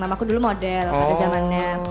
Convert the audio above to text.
aku dulu model pada zamannya